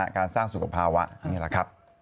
การสร้างสุขภาวะนี่แหละครับ